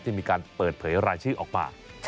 มีการเปิดเผยรายชื่อออกมา